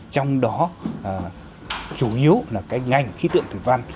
trong đó chủ yếu là cái ngành khí tượng thủy văn